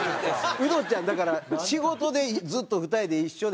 ウドちゃんだから仕事でずっと２人で一緒でしょ？